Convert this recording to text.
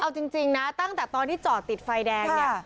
เอาจริงนะตั้งแต่ตอนที่จอดติดไฟแดงเนี่ย